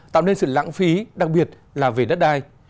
tạo nên sự lãng phí đặc biệt là về đất đai